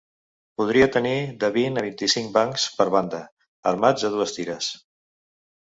Podia tenir de vint a vint-i-cinc bancs per banda, armats a dues tires.